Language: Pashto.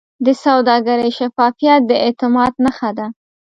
د سوداګرۍ شفافیت د اعتماد نښه ده.